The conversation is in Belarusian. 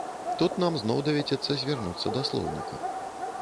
Тут нам зноў давядзецца звярнуцца да слоўніка.